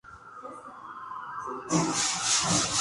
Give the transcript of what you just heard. La especie tipo es: "Malus sylvestris" Mill.